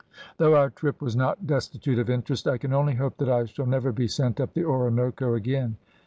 "Though our trip was not destitute of interest, I can only hope that I shall never be sent up the Orinoco again."